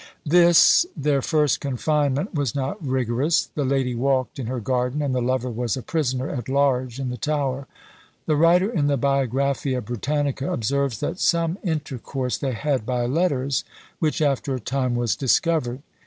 This, their first confinement, was not rigorous; the lady walked in her garden, and the lover was a prisoner at large in the Tower. The writer in the "Biographia Britannica" observes that "Some intercourse they had by letters, which, after a time, was discovered."